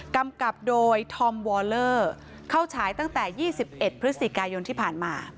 กำกับโดยธอมวอลเลอร์เข้าฉายตั้งแต่๒๑พฤศจิกายนที่ผ่านมา